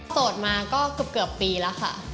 สดมาก็เกือบปีแล้วค่ะ